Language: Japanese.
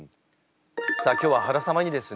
さあ今日は原様にですね